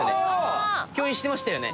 共演してましたよね？